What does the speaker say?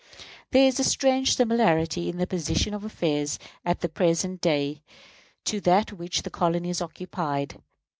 There is a strange similarity in the position of affairs at the present day to that which the colonies occupied.